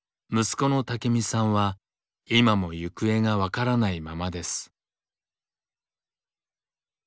息子の武身さんは今も行方が分からないままです。